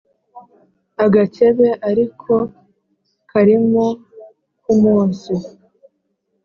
agakebe ari ko karimo k ' umunsi